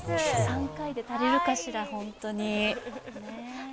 ３回で足りるかしら、本当に。